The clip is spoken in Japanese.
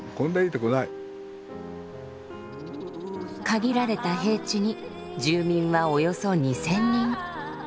限られた平地に住民はおよそ２，０００人。